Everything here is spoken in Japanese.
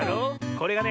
これがね